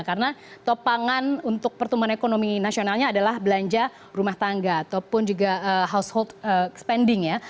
karena topangan untuk pertumbuhan ekonomi nasionalnya adalah belanja rumah tangga ataupun juga household spending ya